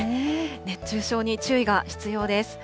熱中症に注意が必要です。